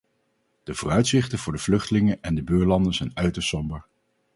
De vooruitzichten voor de vluchtelingen en de buurlanden zijn uiterst somber.